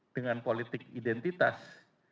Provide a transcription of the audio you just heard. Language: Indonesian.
dengan politik identitas